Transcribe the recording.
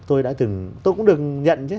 tôi đã từng tôi cũng được nhận chứ